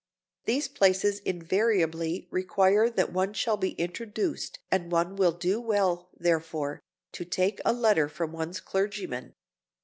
These places invariably require that one shall be introduced and one will do well, therefore, to take a letter from one's clergyman.